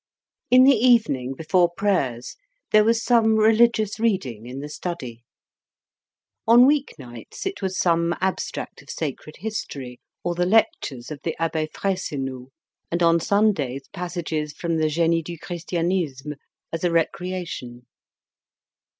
In the evening, before prayers, there was some religious reading in the study. On week nights it was some abstract of sacred history or the Lectures of the Abbe Frayssinous, and on Sundays passages from the "Genie du Christianisme," as a recreation.